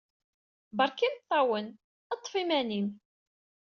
Berka imeṭṭawen. Ṭṭef iman-im.